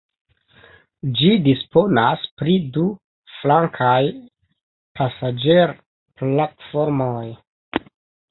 Ĝi disponas pri du flankaj pasaĝerplatformoj.